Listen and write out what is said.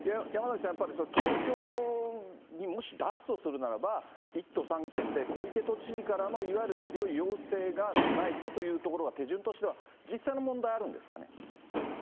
山崎さん、やっぱり、東京にもし出すとするならば、１都３県で、小池都知事からのいわゆる強い要請がないというところは、手順としては、実際の問題、あるんですかね。